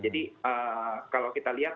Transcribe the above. jadi kalau kita lihat